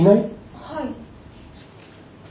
はい。